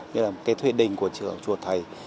như là cái thuyền đình của chùa thầy